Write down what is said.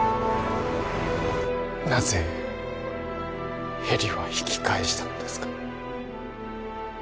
なぜヘリは引き返したのですか？